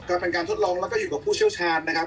ก็เป็นการทดลองแล้วก็อยู่กับผู้เชี่ยวชาญนะครับ